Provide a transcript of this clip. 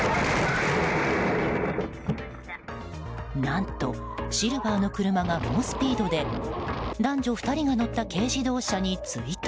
何と、シルバーの車が猛スピードで男女２人が乗った軽自動車に追突。